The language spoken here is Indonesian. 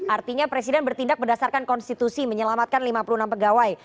artinya presiden bertindak berdasarkan konstitusi menyelamatkan lima puluh enam pegawai